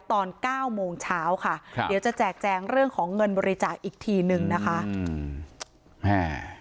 ตอน๙โมงเช้าค่ะเดี๋ยวจะแจกแจงเรื่องของเงินบริจาคอีกทีนึงนะคะ